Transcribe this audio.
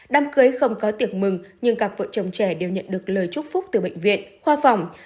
đám cưới không có tiệc mừng nhưng cặp vợ chồng trẻ đều nhận được lời chúc phúc từ bệnh viện khoa phòng